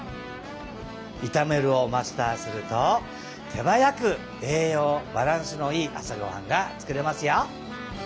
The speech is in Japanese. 「いためる」をマスターすると手早く栄養バランスのいい朝ごはんが作れますよ！